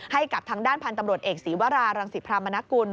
ให้กับทางด้านพันธุ์ตำรวจเอกศีวรารังศิพรามนกุล